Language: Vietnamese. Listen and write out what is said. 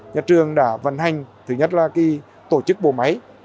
nhà trường đã vận hành thứ nhất là tổ chức bộ máy